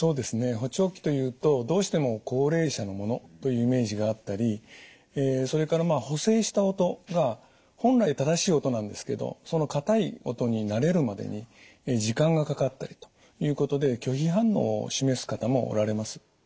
補聴器というとどうしても高齢者のものというイメージがあったりそれから補正した音が本来正しい音なんですけどその硬い音に慣れるまでに時間がかかったりということで拒否反応を示す方もおられます。